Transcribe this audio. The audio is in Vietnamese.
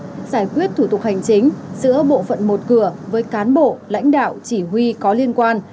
giải quyết thủ tục hành chính giữa bộ phận một cửa với cán bộ lãnh đạo chỉ huy có liên quan